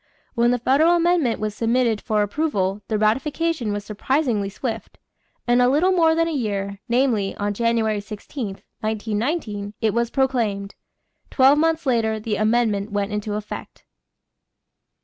When the federal amendment was submitted for approval, the ratification was surprisingly swift. In a little more than a year, namely, on January 16, 1919, it was proclaimed. Twelve months later the amendment went into effect.